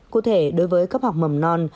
cụ thể đối với cấp học mầm non